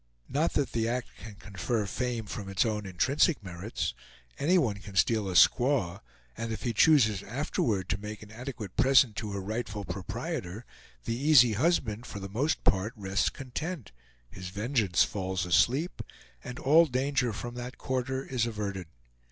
Not that the act can confer fame from its own intrinsic merits. Any one can steal a squaw, and if he chooses afterward to make an adequate present to her rightful proprietor, the easy husband for the most part rests content, his vengeance falls asleep, and all danger from that quarter is averted.